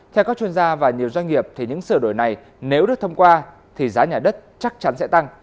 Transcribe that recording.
theo các chuyên gia và nhiều doanh nghiệp thì những sửa đổi này nếu được thông qua thì giá nhà đất chắc chắn sẽ tăng